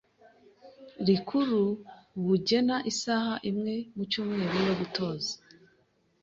rikuru bugena isaha imwe mu cyumweru yo gutoza.